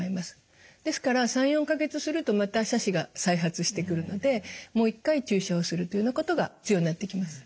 ですから３４か月するとまた斜視が再発してくるのでもう一回注射をするというようなことが必要になってきます。